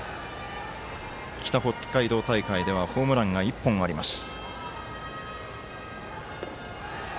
北北海道大会ではホームランが１本あります。